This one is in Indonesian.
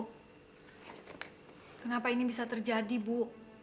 ibu kenapa ini bisa terjadi ibu